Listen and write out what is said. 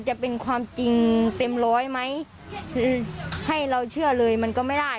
จะเป็นความจริงเต็มร้อยไหมให้เราเชื่อเลยมันก็ไม่ได้